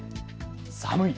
寒い。